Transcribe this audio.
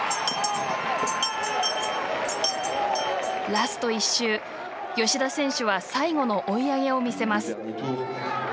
ラスト１周、吉田選手は最後の追い上げを見せます。